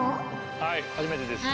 はい初めてですね。